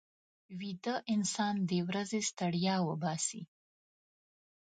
ویده انسان د ورځې ستړیا وباسي